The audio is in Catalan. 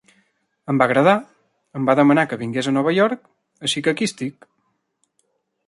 Em van agradar, em van demanar que vingués a Nova York, així que aquí estic!